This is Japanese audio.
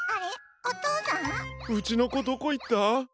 うちのこどこいった？